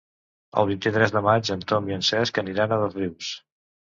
El vint-i-tres de maig en Tom i en Cesc aniran a Dosrius.